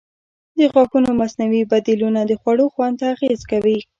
د غاښونو مصنوعي بدیلونه د خوړو خوند ته اغېز کوي.